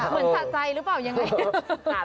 เหมือนสะใจหรือเปล่ายังไง